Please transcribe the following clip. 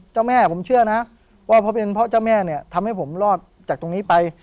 เจ้าแม่ผมเชื่อนะว่าเพราะเป็นเพราะเจ้าแม่เนี่ยทำให้ผมรอดจากตรงนี้ไป